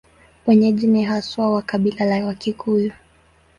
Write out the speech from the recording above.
Wenyeji ni haswa wa kabila la Wakikuyu.